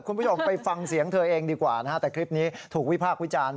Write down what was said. คุณผู้ชมไปฟังเสียงเธอเองดีกว่านะฮะแต่คลิปนี้ถูกวิพากษ์วิจารณ์